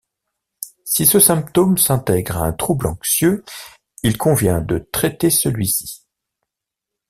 Si ce symptôme s'intègre à un trouble anxieux, il convient de traiter celui-ci.